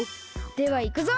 ではいくぞ！